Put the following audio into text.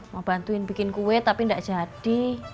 mau bantuin bikin kue tapi nggak jadi